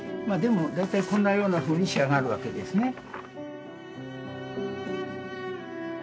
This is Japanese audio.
まあでも大体こんなようなふうに仕上がるわけですね。